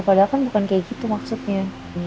padahal kan bukan kayak gitu maksudnya